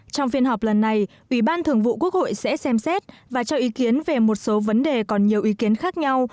trong phiên họp lần này ủy ban thường vụ quốc hội sẽ xem xét và cho ý kiến về một số vấn đề còn nhiều ý kiến khác nhau